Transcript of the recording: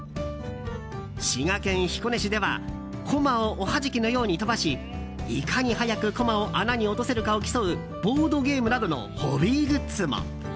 滋賀県彦根市では駒をおはじきのように飛ばしいかに早く駒を穴に落とせるかを競うボードゲームなどのホビーグッズも。